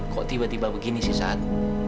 kok tiba tiba begini sih saat